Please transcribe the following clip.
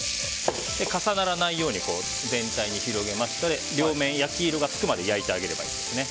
重ならないように全体に広げまして両面焼き色がつくまで焼いていきます。